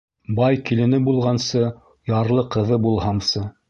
Бай килене булғансы, ярлы ҡыҙы булһамсы.